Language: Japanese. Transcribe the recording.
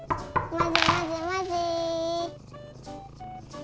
まぜまぜまぜ。